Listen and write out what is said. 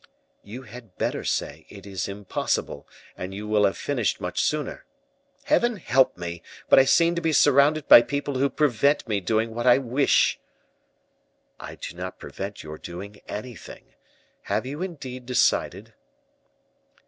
"You had better say it is impossible, and you will have finished much sooner. Heaven help me, but I seem to be surrounded by people who prevent me doing what I wish." "I do not prevent your doing anything. Have you indeed decided?"